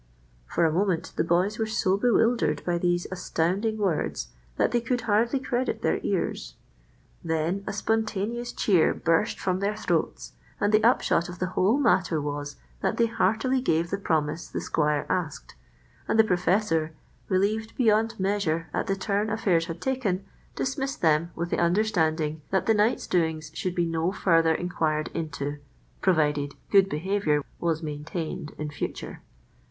For a moment the boys were so bewildered by these astounding words that they could hardly credit their ears. Then a spontaneous cheer burst from their throats, and the upshot of the whole matter was that they heartily gave the promise the squire asked; and the professor, relieved beyond measure at the turn affairs had taken, dismissed them with the understanding that the night's doings should be no further inquired into, provided good behaviour was maintained in future.